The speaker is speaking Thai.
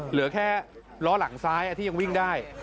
เหลือแค่ล้อหลังซ้ายที่ยังวิ่งได้